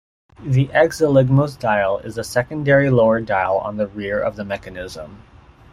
The Exeligmos Dial is the secondary lower dial on the rear of the mechanism.